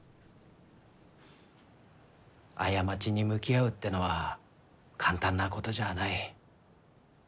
過ちに向き合うってのは簡単な事じゃない。